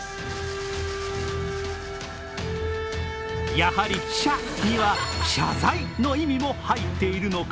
やはり「謝」には謝罪の意味も入っているのか？